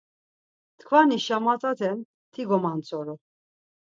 Tkvani şamataten ti gomantsoru.